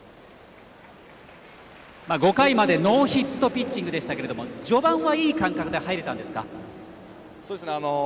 ５回までノーヒットピッチングでしたけど序盤はいい感覚で入れたんですか。